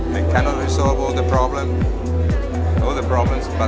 meskipun mereka tidak bisa mengatasi semua masalah